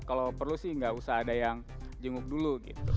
kalau perlu sih gak usah ada yang jenguk dulu